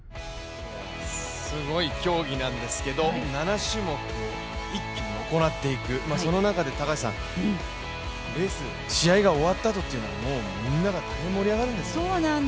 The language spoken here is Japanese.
すごい競技なんですけど７種目、一気に行っていくその中でレース、試合が終わったあとはみんなが大変盛り上がるんですよ。